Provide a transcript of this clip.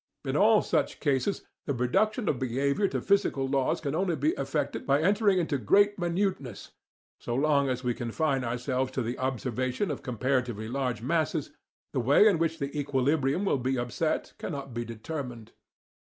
In all such cases the reduction of behaviour to physical laws can only be effected by entering into great minuteness; so long as we confine ourselves to the observation of comparatively large masses, the way in which the equilibrium will be upset cannot be determined.